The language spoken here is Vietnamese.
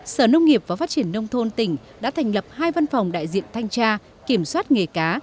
sở nông nghiệp và phát triển nông thôn tỉnh đã thành lập hai văn phòng đại diện thanh tra kiểm soát nghề cá